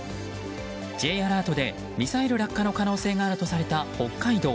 Ｊアラートでミサイル落下の可能性があるとされた北海道。